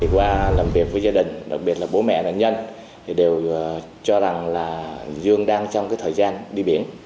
qua làm việc với gia đình đặc biệt là bố mẹ nạn nhân thì đều cho rằng là dương đang trong thời gian đi biển